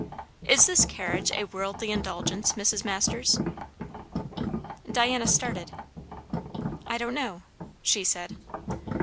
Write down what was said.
"Is this carriage a 'worldly' indulgence, Mrs. Masters?" Diana started. "I don't know," she said.